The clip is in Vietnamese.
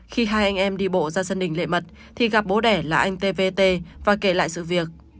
khi hai anh em đi bộ ra sân đỉnh lệ mật thì gặp bố đẻ là anh t v t và kể lại sự việc